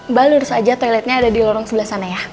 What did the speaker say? mbak lurus aja toiletnya ada di lorong sebelah sana ya